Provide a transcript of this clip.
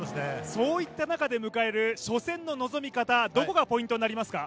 そういった中で迎える初戦の迎え方、どこがポイントでしょうか。